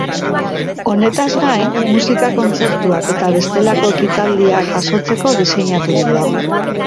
Honetaz gain, musika kontzertuak eta bestelako ekitaldiak jasotzeko diseinaturik dago.